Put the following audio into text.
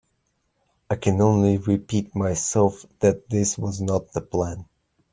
I can only repeat myself that this was not the plan.